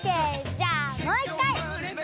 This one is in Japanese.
じゃあもう１回！